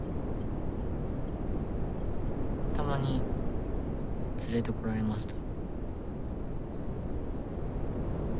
たまに連れて来られました。